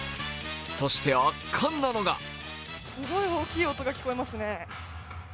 そして圧巻なのがすごい大きい音が聞こえますね。